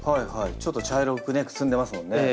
ちょっと茶色くねくすんでますもんね。